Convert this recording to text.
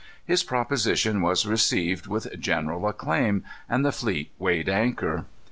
His proposition was received with general acclaim, and the fleet weighed anchor.